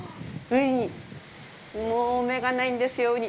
もう目がないんですよ、ウニ。